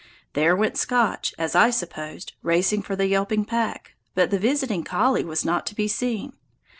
There went Scotch, as I supposed, racing for the yelping pack, but the visiting collie was not to be seen.